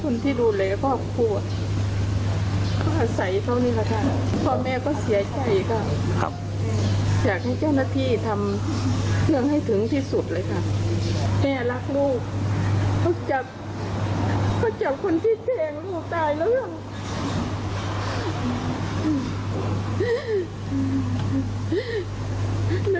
ลูกชายรักลูกเขาจับคนที่เก่งลูกตายแล้วหรือ